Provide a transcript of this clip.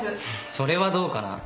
それはどうかな。